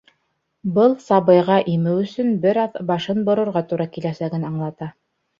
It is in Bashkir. Был сабыйға имеү өсөн бер аҙ башын борорға тура киләсәген аңлата.